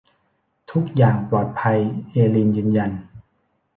ทุกอย่างปลอดภัยเอลีนยืนยัน